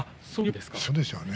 そうですね。